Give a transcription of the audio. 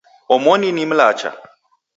Omoni ni mlacha.